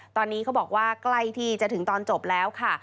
ตอนนี้เขาบอกว่าใกล้ที่จะถึงตอนจบแล้วค่ะ